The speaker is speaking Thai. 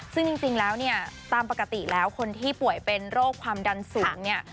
ซึ่งจริงแล้วเนี่ยตามปกติแล้วคนที่ป่วยเป็นโรคความดันสูงเนี่ย